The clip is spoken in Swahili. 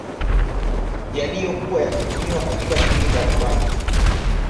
Yaliyokuwa yakitumiwa katika shughuli mbalimbali